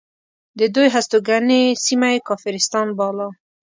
د دوی هستوګنې سیمه یې کافرستان باله.